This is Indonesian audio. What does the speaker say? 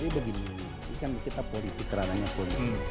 jadi begini ini kan kita politik raranya politik